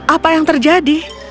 apa yang terjadi